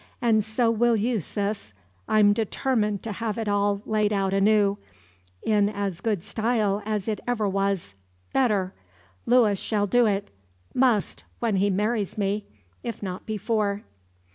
And so will you sis. I'm determined to have it all laid out anew, in as good style as it ever was better. Luis shall do it must, when he marries, me if not before."